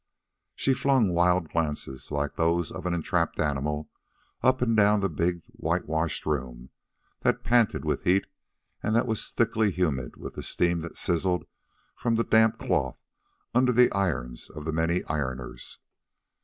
She flung wild glances, like those of an entrapped animal, up and down the big whitewashed room that panted with heat and that was thickly humid with the steam that sizzled from the damp cloth under the irons of the many ironers.